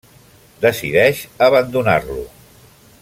Decideix abandonar-lo.